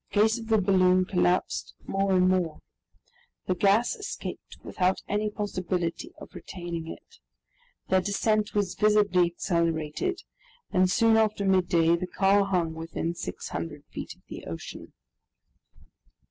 The case of the balloon collapsed more and more. The gas escaped without any possibility of retaining it. Their descent was visibly accelerated, and soon after midday the car hung within 600 feet of the ocean.